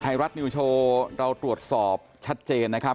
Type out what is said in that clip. ไทยรัฐนิวโชว์เราตรวจสอบชัดเจนนะครับ